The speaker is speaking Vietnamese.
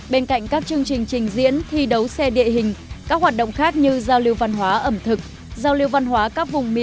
bên cạnh các chương trình trình diễn thi đấu xe địa hình các hoạt động khác như giao lưu văn hóa ẩm thực